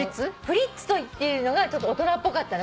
プリッツとっていうのがちょっと大人っぽかった。